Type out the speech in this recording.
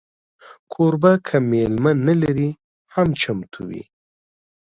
کوربه که میلمه نه لري، هم چمتو وي.